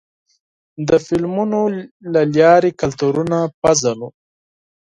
د فلمونو له لارې کلتورونه پېژنو.